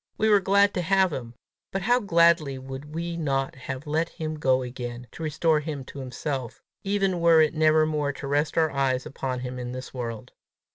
We were glad to have him, but how gladly would we not have let him go again to restore him to himself, even were it never more to rest our eyes upon him in this world!